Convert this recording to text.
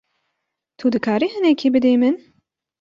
Tu dikarî hinekî bidî min?